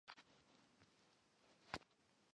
董昌因功补石镜镇将。